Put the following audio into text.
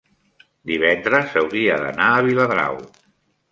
divendres hauria d'anar a Viladrau.